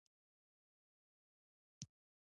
خسروخان وويل: زه ويده جنګيالي نه غواړم!